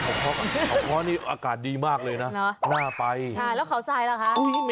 ผักเผล็ดอะไรเค้าก็โอเคอ๋อหรอแล้วเค้าไปข่าวซายไหมเอ้อ